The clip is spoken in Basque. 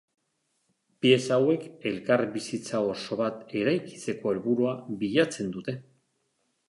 Pieza hauek elkarbizita oso bat eraikitzeko helburua bilatzen dute.